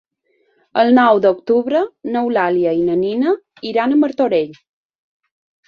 El nou d'octubre n'Eulàlia i na Nina iran a Martorell.